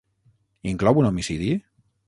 Inclou un homicidi?